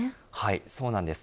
そうなんです。